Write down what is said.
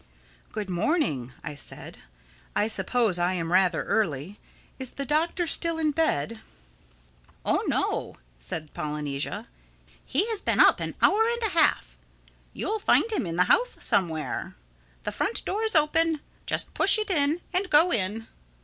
"Good morning," I said. "I suppose I am rather early. Is the Doctor still in bed?" "Oh no," said Polynesia. "He has been up an hour and a half. You'll find him in the house somewhere. The front door is open. Just push it and go in.